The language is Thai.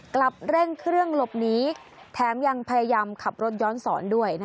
กลับเร่งเครื่องหลบหนีแถมยังพยายามขับรถย้อนสอนด้วย